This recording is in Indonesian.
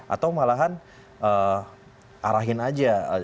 atau malahan arahin aja